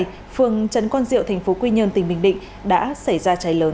phường trần quang diệu tp quy nhơn tỉnh bình định đã xảy ra cháy lớn